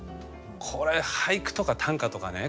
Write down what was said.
これ俳句と短歌とかね